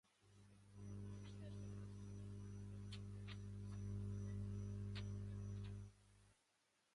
Los restos del castillo de Bullas se encuentran en Peña Rubia.